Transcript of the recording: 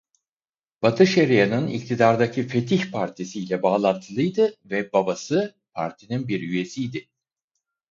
Batı Şeria'nın iktidardaki Fetih partisiyle bağlantılıydı ve babası partinin bir üyesiydi.